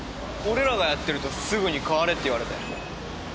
俺らがやってるとすぐに代われって言われて。